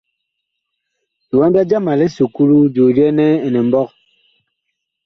Liwanda jama li esuklu, joo jɛɛ nɛ Inimɓɔg.